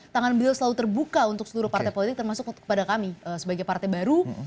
tangan beliau selalu terbuka untuk seluruh partai politik termasuk kepada kami sebagai partai baru